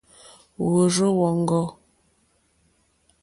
Wòrzô wóŋɡô.